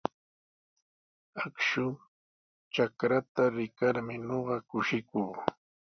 Akshu trakraata rikarmi ñuqa kushikuu.